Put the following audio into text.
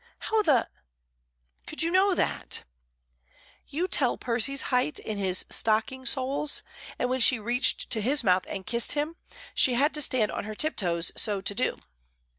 "How the could you know that?" "You tell Percy's height in his stocking soles, and when she reached to his mouth and kissed him she had to stand on her tiptoes so to do."